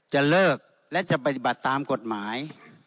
จะเลิกและจะปฏิบัติตามกฎหมาย